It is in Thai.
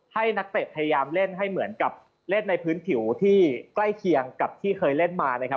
นักเตะพยายามเล่นให้เหมือนกับเล่นในพื้นผิวที่ใกล้เคียงกับที่เคยเล่นมานะครับ